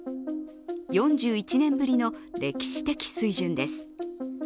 ４１年ぶりの歴史的水準です。